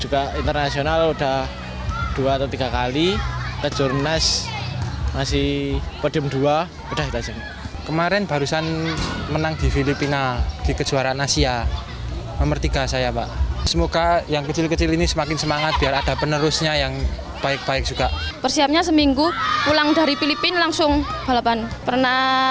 kategori yang dipertandingkan terbagi atas kategori men dan women